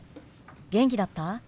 元気だった？